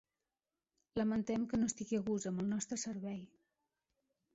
Lamentem que no estigui a gust amb el nostre servei.